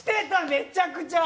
めちゃくちゃ。